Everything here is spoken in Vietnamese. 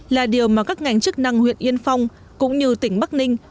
là điều mà các ngành chức năng huyện yên phong cũng như tỉnh bắc ninh